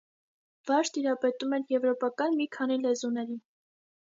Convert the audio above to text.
Վարժ տիրապետում էր եվրոպական մի քանի լեզուների։